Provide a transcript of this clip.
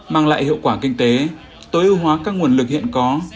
mang lại hiệu quả kinh tế tối ưu hóa các nguồn lực hiện có